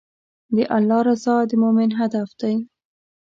د الله رضا د مؤمن هدف دی.